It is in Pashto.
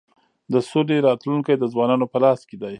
د سولی راتلونکی د ځوانانو په لاس کي دی.